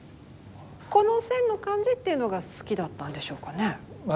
この線の感じっていうのが好きだったんでしょうかね？